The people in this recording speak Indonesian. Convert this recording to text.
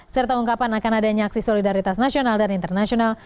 serta ungkapan akan adanya aksi solidaritas nasional dan internasional